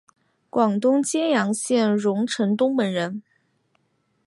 广东揭阳县榕城东门人。